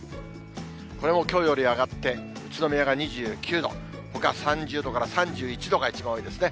これもきょうより上がって宇都宮が２９度、ほか３０度から３１度が一番多いですね。